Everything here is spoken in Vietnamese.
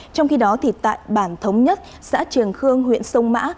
trong khi đó thì tại bản thống nhất xã trường khương huyện sông mã